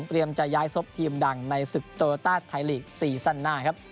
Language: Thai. เตรียมจะย้ายศพทีมดังในศึกโตราตาสไทยฬีก๔สั้นหน้าครับ